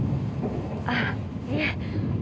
ああいえ。